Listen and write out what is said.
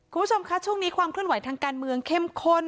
คุณผู้ชมคะช่วงนี้ความเคลื่อนไหวทางการเมืองเข้มข้น